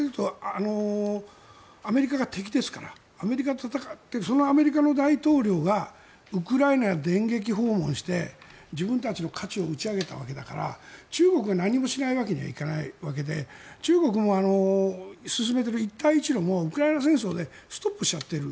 アメリカが敵ですからアメリカと戦ってそのアメリカの大統領がウクライナを電撃訪問して自分たちの価値を打ち上げたわけだから中国が何もしないわけにはいかないわけで中国も進めている一帯一路もウクライナ戦争でストップしちゃってる。